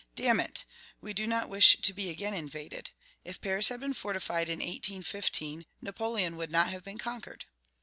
"Damn it! we do not wish to be again invaded. If Paris had been fortified in 1815, Napoleon would not have been conquered!"